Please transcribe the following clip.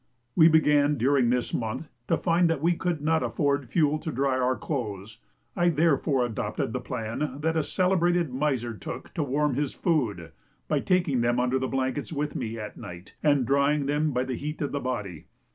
We began during this month to find that we could not afford fuel to dry our clothes; I therefore adopted the plan that a celebrated miser took to warm his food, by taking them under the blankets with me at night, and drying them by the heat of the body.